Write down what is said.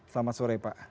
selamat sore pak